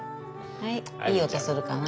はいいい音するかな。